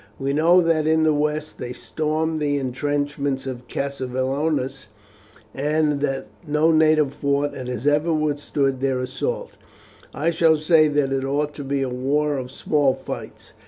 We know that in the west they stormed the intrenchments of Cassivellaunus, and that no native fort has ever withstood their assault. I should say that it ought to be a war of small fights.